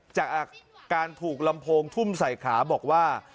จากอาการถูกลำโพงทุ่มใส่ขาบอกว่า